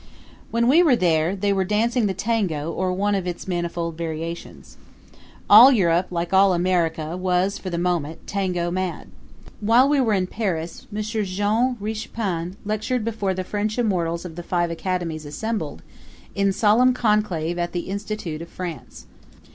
When we were there, they were dancing the tango or one of its manifold variations. All Europe, like all America, was, for the moment, tango mad. While we were in Paris, M. Jean Richepin lectured before the Forty Immortals of the Five Academies assembled in solemn conclave at the Institute of France.